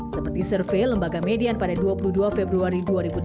seperti survei lembaga median pada dua puluh dua februari dua ribu dua puluh satu